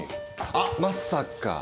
あまさか。